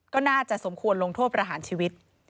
ก็น่าจะสมควรลงโทษประหารชีวิต